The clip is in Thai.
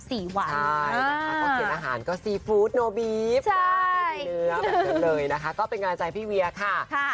ใช่นะคะก็เขียนอาหารก็ซีฟู้ดโนบีฟไม่มีเนื้อแบบนั้นเลยนะคะก็เป็นกำลังใจพี่เวียค่ะ